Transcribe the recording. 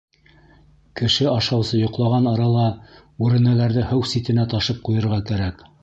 Кеше ашаусы йоҡлаған арала бүрәнәләрҙе һыу ситенә ташып ҡуйырға кәрәк.